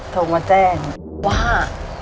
โทรมาแจ้งว่า